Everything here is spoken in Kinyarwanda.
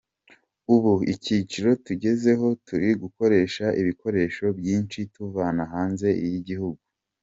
Ubu icyiciro tugezeho turi gukoresha ibikoresho byinshi tuvana hanze y’igihugu.